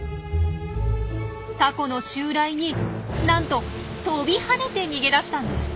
タコの襲来になんと跳びはねて逃げ出したんです。